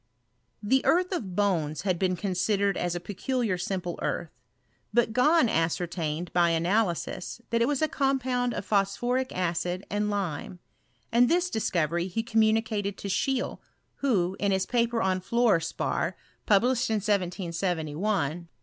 The earth of bones had been considered as a pe •citliar simple earth ; but Gahn ascertained, by ana lysis, that it was a compound of phosphoric acid and moB; and this discovery he communicated to Scheele, vho, in his paper on fluor spar^ published in 1771, r2 244 HISTOKY or CnEHISTBT.